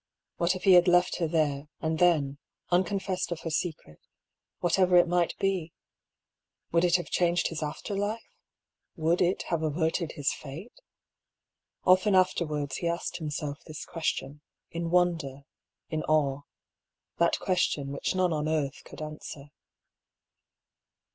What if he had left her there and then, unconfessed of her secret, whaterer it might be ? Would it have changed his after life ? would it have averted his fate? Often afterwards he asked himself this question, in wonder, in awe : that question which none on earth could answer.